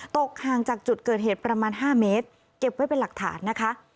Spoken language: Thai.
ตกห่างจากจุดเกิดเหตุประมาณ๕เมตรเก็บไว้เป็นหลักฐานนะคะ